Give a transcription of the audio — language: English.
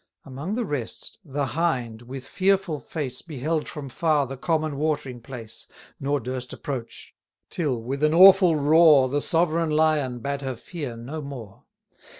Among the rest, the Hind, with fearful face, Beheld from far the common watering place, Nor durst approach; till, with an awful roar, 530 The sovereign Lion bade her fear no more.